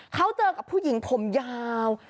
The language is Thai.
เขาเจอกับผู้หญิงผมยาว